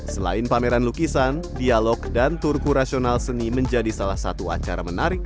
selain pameran lukisan dialog dan turkurasional seni menjadi salah satu acara menarik